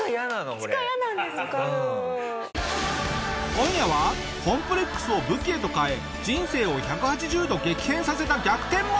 今夜はコンプレックスを武器へと変え人生を１８０度激変させた逆転物語！